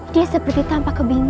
dia seperti tampak kebingungan